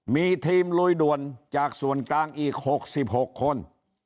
มีทีมลุยด่วนจากส่วนกลางอีก๖๖คน